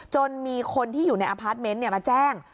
มีคนที่อยู่ในอพาร์ทเมนต์มาแจ้ง